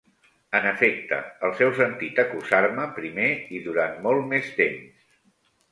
En efecte, els heu sentit acusar-me primer i durant molt més temps.